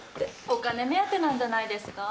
お金目当てなんじゃないですか？